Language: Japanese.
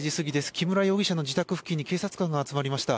木村容疑者の自宅付近に警察官が集まりました。